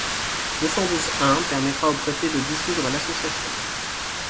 deux cent douze-un permettra au préfet de dissoudre l’association.